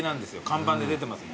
看板で出てます。